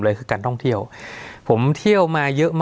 สวัสดีครับทุกผู้ชม